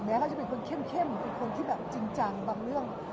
เขาจะเป็นคนเข้มเป็นคนที่แบบจริงจังบางเรื่อง